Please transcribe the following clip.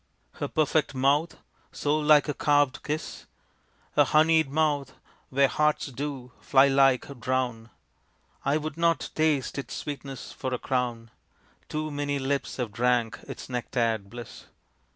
"Her perfect mouth so like a carvèd kiss?" "Her honeyed mouth, where hearts do, fly like, drown?" I would not taste its sweetness for a crown; Too many lips have drank its nectared bliss.